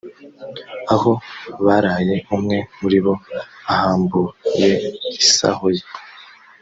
aho baraye umwe muri bo ahambuye isaho ye